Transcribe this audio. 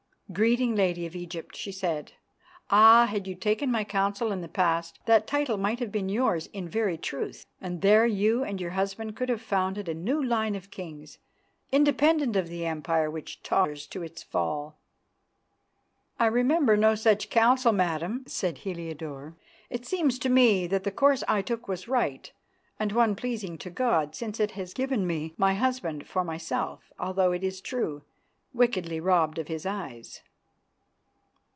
"Greeting, Lady of Egypt," she said. "Ah! had you taken my counsel in the past, that title might have been yours in very truth, and there you and your husband could have founded a new line of kings independent of the Empire which totters to its fall." "I remember no such counsel, Madam," said Heliodore. "It seems to me that the course I took was right and one pleasing to God, since it has given me my husband for myself, although, it is true, wickedly robbed of his eyes."